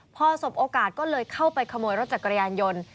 พอสบโอกาสก็เลยเข้าไปขโมยรถจักรยานยนต์